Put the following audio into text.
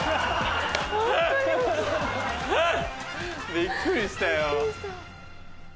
びっくりしたよ。